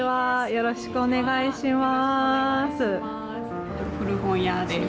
よろしくお願いします。